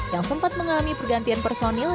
yang sempat mengalami pergantian personil